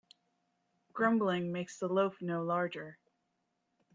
Grumbling makes the loaf no larger.